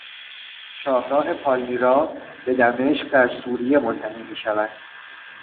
شاهراه پالمیرا به دمشق در سوریه منتهی میشود